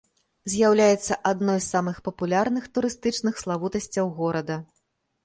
З'яўляецца адной з самых папулярных турыстычных славутасцяў горада.